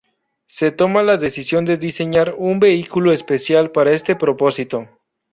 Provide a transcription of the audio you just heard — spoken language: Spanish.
Se toma la decisión de diseñar un vehículo especial para este propósito.